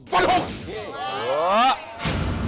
จน๖